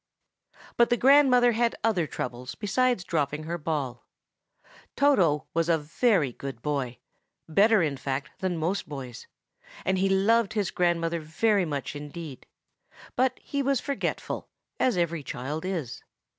But the grandmother had other troubles beside dropping her ball. Toto was a very good boy,—better, in fact, than most boys,—and he loved his grandmother very much indeed; but he was forgetful, as every child is.